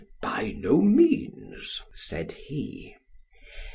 By no means; said he.